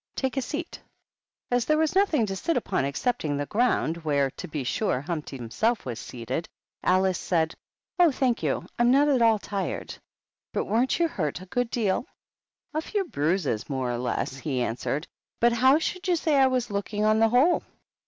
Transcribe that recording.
Take a seat." As there was nothing to sit upon excepting the ground, where, to be sure, Humpty himself was seated, Alice said, "Oh, thank you, Fm not at all tired. But weren't you hurt a good deal r "A few bruises, more or less," he answered; "but how should you say I was looking, on the whole